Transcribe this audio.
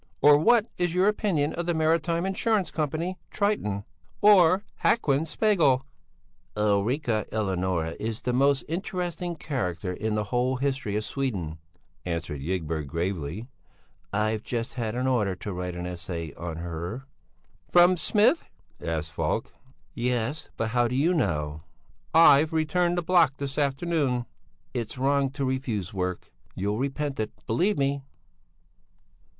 Or what is your opinion of the Maritime Insurance Company Triton? Or Haquin Spegel?" "Ulrica Eleonora is the most interesting character in the whole history of Sweden," answered Ygberg gravely; "I've just had an order to write an essay on her." "From Smith?" asked Falk. "Yes; but how do you know?" "I've returned the block this afternoon." "It's wrong to refuse work. You'll repent it! Believe me."